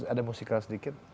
ada musikal sedikit